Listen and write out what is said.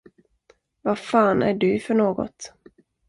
Vad fan är du för något?